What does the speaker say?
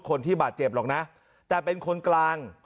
คนที่บาดเจ็บหรอกนะแต่เป็นคนกลาง